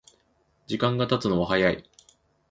時間がたつのは早い